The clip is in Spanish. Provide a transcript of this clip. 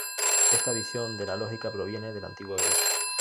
Esta visión de la lógica proviene de la Antigua Grecia.